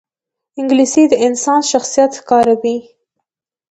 انګلیسي د انسان شخصیت ښکاروي